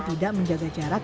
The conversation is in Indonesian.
tidak menjaga jarak